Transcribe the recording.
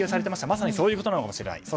まさにそういうことかもしれない。